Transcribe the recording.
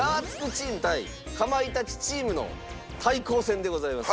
チーム対かまいたちチームの対抗戦でございます。